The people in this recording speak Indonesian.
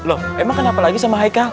loh emang kenapa lagi sama haika